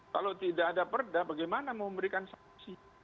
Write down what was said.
kalau tidak ada perda bagaimana memberikan sanksi